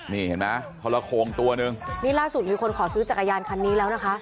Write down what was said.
นี่เห็นไหมทรโคงตัวหนึ่งนี่ล่าสุดมีคนขอซื้อจักรยานคันนี้แล้วนะคะ